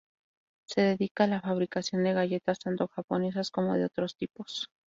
Se dedica a la fabricación de galletas tanto japonesas como de otros tipos.